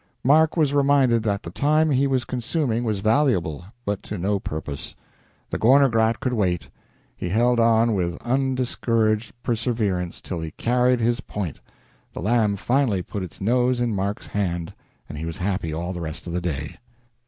Mark was reminded that the time he was consuming was valuable, but to no purpose. The Gorner Grat could wait. He held on with undiscouraged perseverance till he carried his point; the lamb finally put its nose in Mark's hand, and he was happy all the rest of the day.